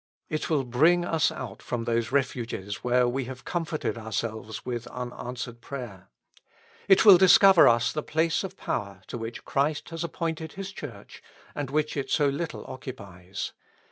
It will bring us out from those refuges where we have comforted ourselves with unanswered prayer. It will discover us the place of power to which Christ has appointed His Church, and which it so little oc cupies.